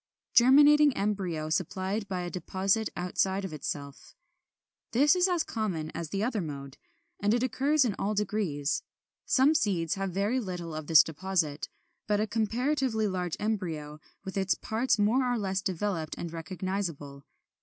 31. =Germinating Embryo supplied from a Deposit outside of Itself.= This is as common as the other mode; and it occurs in all degrees. Some seeds have very little of this deposit, but a comparatively large embryo, with its parts more or less developed and recognizable.